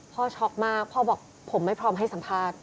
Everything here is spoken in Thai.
ช็อกมากพ่อบอกผมไม่พร้อมให้สัมภาษณ์